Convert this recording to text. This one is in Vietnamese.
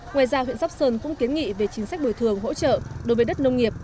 ngoài ra huyện sóc sơn cũng kiến nghị về chính sách bồi thường hỗ trợ đối với đất nông nghiệp